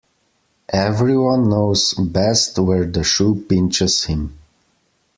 Every one knows best where the shoe pinches him.